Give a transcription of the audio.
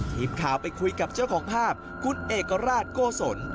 ทีมข่าวไปคุยกับเจ้าของภาพคุณเอกราชโกศล